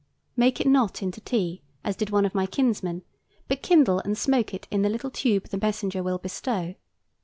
Make it not into tea, as did one of my kinsmen, but kindle and smoke it in the little tube the messenger will bestow.